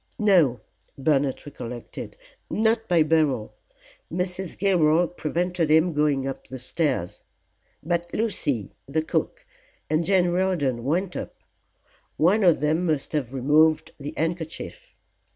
No," Bernard recollected, "not by Beryl; Mrs. Gilroy prevented him going up the stairs. But Lucy, the cook and Jane Riordan went up; one of them must have removed the handkerchief.